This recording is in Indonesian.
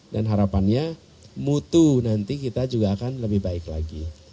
dan harapannya mutu nanti kita juga akan lebih baik lagi